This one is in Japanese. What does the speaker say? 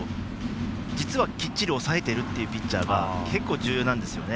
実はきっちり抑えているというピッチャーが結構、重要なんですよね。